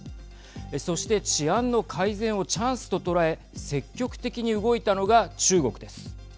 そして治安の改善をチャンスと捉え積極的に動いたのが中国です。